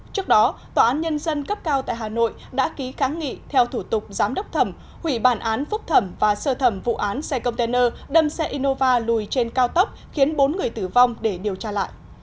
trước đó tòa án nhân dân cấp cao tại hà nội đã ký kháng nghị theo thủ tục giám đốc thẩm hủy bản án phúc thẩm và sơ thẩm vụ án xe container đâm xe innova lùi trên cao tốc khiến bốn người tử vong để điều tra lại